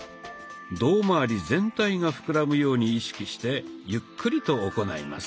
胴まわり全体が膨らむように意識してゆっくりと行います。